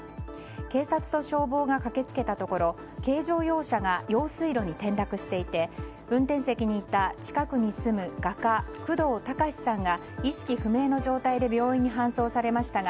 警察と消防が駆け付けたところ軽乗用車が用水路に転落していて運転席にいた近くに住む画家工藤隆さんが意識不明の状態で病院に搬送されましたが